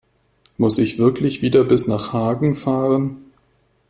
Muss ich wirklich wieder bis nach Hagen fahren?